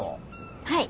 はい。